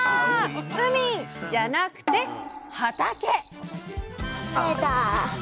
海じゃなくて畑！